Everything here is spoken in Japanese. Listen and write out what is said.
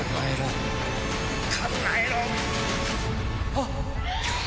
あっ！